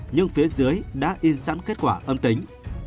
nhưng phía dưới đã in sẵn kết quả âm tính